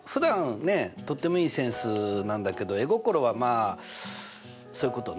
とってもいいセンスなんだけど絵心はまあそういうことね。